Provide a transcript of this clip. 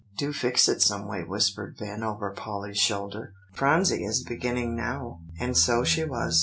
"Do fix it some way," whispered Ben over Polly's shoulder. "Phronsie is beginning now." And so she was.